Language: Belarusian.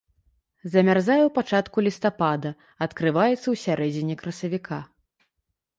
Замярзае ў пачатку лістапада, адкрываецца ў сярэдзіне красавіка.